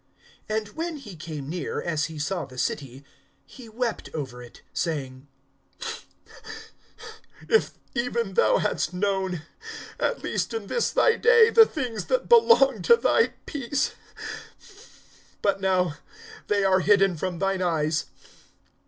(41)And when he came near, as he saw the city, he wept over it, (42)saying: If even thou hadst known, at least in this thy day, the things that belong to thy peace! But now they are hidden from thine eyes.